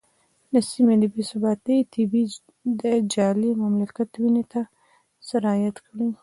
د سیمې د بې ثباتۍ تبې د جعلي مملکت وینې ته سرایت کړی.